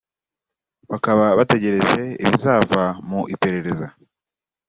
bakaba bategereje ibizava mu iperereza